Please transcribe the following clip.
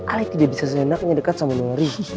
ali tidak bisa senangnya dekat sama nuri